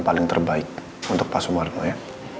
paling terbaik untuk pak sumarno ya